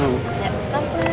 untuk brand ambassador kita elsa